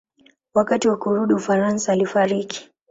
Wakati wa kurudi Ufaransa alifariki.